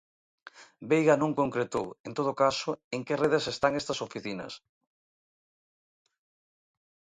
Veiga non concretou, en todo caso, en que redes están estas oficinas.